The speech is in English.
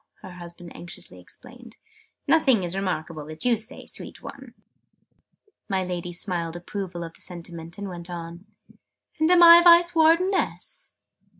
her husband anxiously explained. "Nothing is remarkable that you say, sweet one!" My Lady smiled approval of the sentiment, and went on. "And am I Vice Wardeness?"